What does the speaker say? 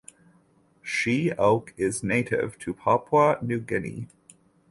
She oak is native to Papua New Guinea.